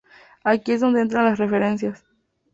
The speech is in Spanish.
Aquí es donde entran las referencias.